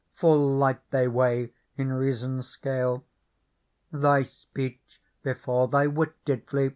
Full light they weigh in reason's scale ; Thy speech before thy wit did flee.